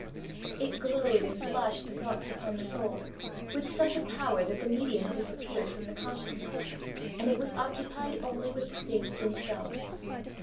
It glowed and flashed the thoughts upon the soul, with such a power that the medium disappeared from the consciousness, and it was occupied only with the things themselves.